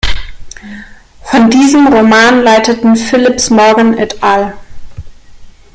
Von diesem Roman leiteten Phipps Morgan et al.